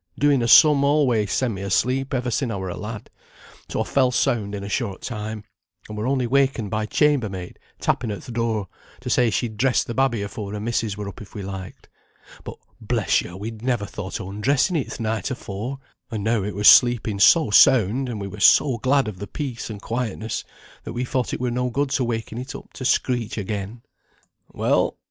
Doing a sum alway sent me asleep ever sin' I were a lad; so I fell sound in a short time, and were only wakened by chambermaid tapping at th' door, to say she'd dress the babby afore her missis were up if we liked. But bless yo', we'd never thought o' undressing it th' night afore, and now it were sleeping so sound, and we were so glad o' the peace and quietness, that we thought it were no good to waken it up to screech again. "Well!